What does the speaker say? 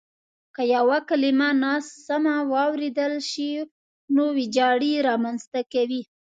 که یوه کلیمه ناسمه واورېدل شي نو وېجاړی رامنځته کوي.